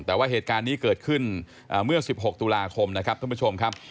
แต่ว่าเหตุการณ์นี้เกิดขึ้นเมื่อ๑๖ตุลาคมนะครับ